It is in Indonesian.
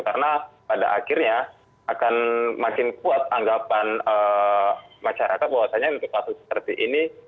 karena pada akhirnya akan makin kuat anggapan masyarakat bahwasannya untuk kasus seperti ini